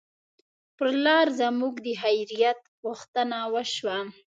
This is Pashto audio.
پر لار زموږ د خیریت پوښتنه وشوه.